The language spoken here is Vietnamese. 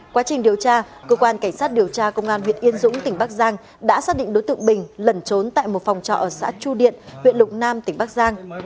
quá trình điều tra cơ quan cảnh sát điều tra công an huyện yên dũng tỉnh bắc giang đã xác định đối tượng bình lẩn trốn tại một phòng trọ ở xã chu điện huyện lục nam tỉnh bắc giang